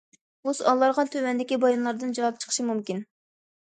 بۇ سوئاللارغا تۆۋەندىكى بايانلاردىن جاۋاب چىقىشى مۇمكىن.